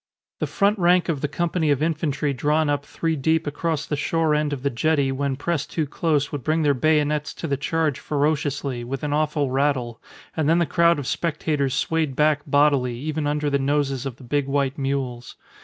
The front rank of the company of infantry drawn up three deep across the shore end of the jetty when pressed too close would bring their bayonets to the charge ferociously, with an awful rattle; and then the crowd of spectators swayed back bodily, even under the noses of the big white mules.